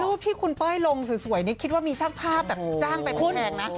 รูปที่คุณเป้ยลงสวยนี่คิดว่ามีช่างภาพแบบจ้างไปแพงนะ